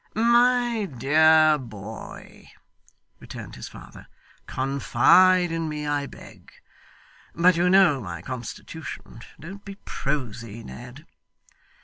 'My dear boy,' returned his father, 'confide in me, I beg. But you know my constitution don't be prosy, Ned.